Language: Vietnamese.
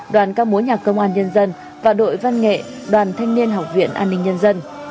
đoàn ca mối nhạc công an nhân dân và đội văn nghệ đoàn thanh niên học viện an ninh nhân dân